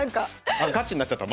あガチになっちゃった！